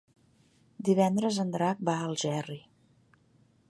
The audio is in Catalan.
Divendres en Drac va a Algerri.